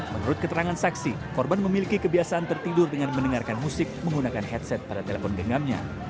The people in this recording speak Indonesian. menurut keterangan saksi korban memiliki kebiasaan tertidur dengan mendengarkan musik menggunakan headset pada telepon genggamnya